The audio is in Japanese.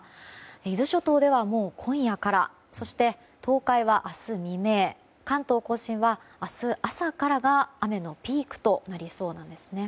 伊豆諸島では今夜からそして東海は明日未明関東・甲信は明日朝からが雨のピークとなりそうです。